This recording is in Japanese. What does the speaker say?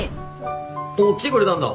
おっ来てくれたんだ。